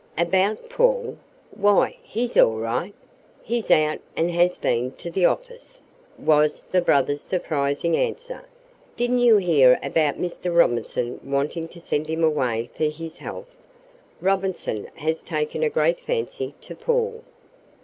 "About Paul? Why, he's all right. He's out and has been to the office," was the brother's surprising answer. "Didn't you hear about Mr. Robinson wanting to send him away for his health? Robinson has taken a great fancy to Paul.